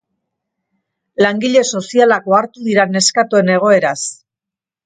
Langile sozialak ohartu dira neskatoen egoeraz.